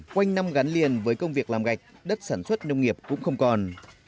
quanh năm gắn liền với công việc làm gạch đất sản xuất nông nghiệp cũng không còn